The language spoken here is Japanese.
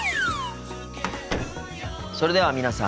それでは皆さん